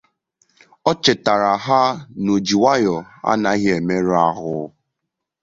O chètààrà ha na ojinwanyọ anaghị emerụ ahụ